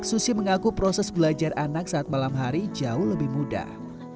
susi mengaku proses belajar anak saat malam hari jauh lebih mudah